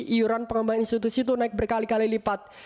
iuran pengembangan institusi itu naik berkali kali lipat